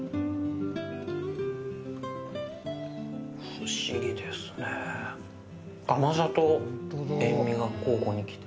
不思議ですね、甘さと塩味が交互に来て。